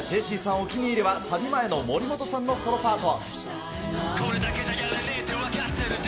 お気に入りはサビ前の森本さんのソロパート。